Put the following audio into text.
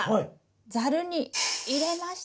ザルに入れました。